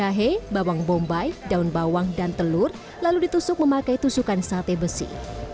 sate dibakar bigih dengan jahe bawang bombay daun bawang dan telur lalu ditusuk memakai tusukan sate besi